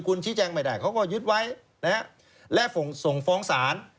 คุณชี้แจงไม่ได้เขาก็ยึดไว้นะฮะและส่งฟ้องศาล